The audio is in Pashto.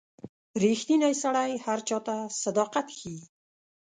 • ریښتینی سړی هر چاته صداقت ښيي.